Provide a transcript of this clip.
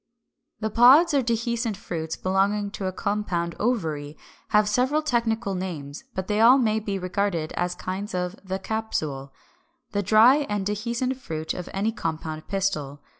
The pods or dehiscent fruits belonging to a compound ovary have several technical names: but they all may be regarded as kinds of 370. =The Capsule=, the dry and dehiscent fruit of any compound pistil.